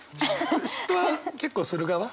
嫉妬は結構する側？